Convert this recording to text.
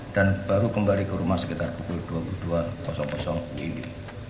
dan baru kembali ke rumah sekitar pukul dua puluh dua ini